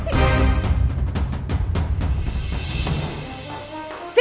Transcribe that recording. sintia kamu ini apaan sih